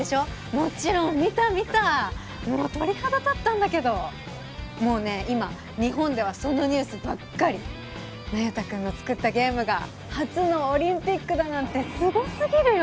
もちろん見た見たもう鳥肌立ったんだけどもうね今日本ではそのニュースばっかり那由他くんの作ったゲームが初のオリンピックだなんてすごすぎるよ